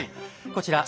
こちら。